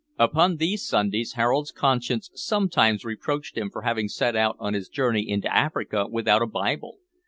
Upon these Sundays Harold's conscience sometimes reproached him for having set out on his journey into Africa without a Bible.